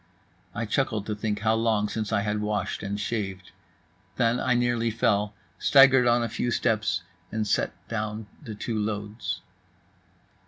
I chuckled to think how long since I had washed and shaved. Then I nearly fell, staggered on a few steps, and set down the two loads.